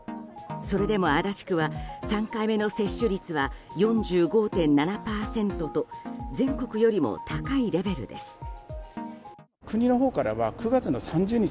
それでも、足立区は３回目の接種率は４５．７％と全国よりも高いレベルです。